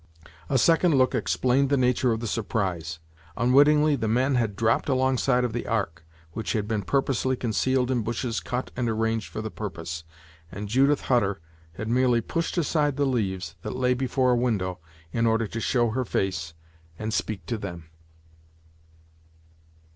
A second look explained the nature of the surprise. Unwittingly, the men had dropped alongside of the ark, which had been purposely concealed in bushes cut and arranged for the purpose; and Judith Hutter had merely pushed aside the leaves that lay before a window, in order to show her face, and speak to them.